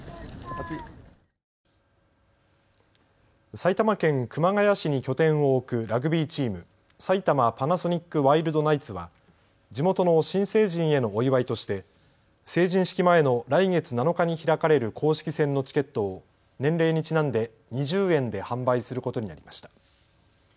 埼玉県熊谷市に拠点を置くラグビーチーム、埼玉パナソニックワイルドナイツは地元の新成人へのお祝いとして成人式前の来月７日に開かれる公式戦のチケットを年齢にちなんで２０円で販売することになりました。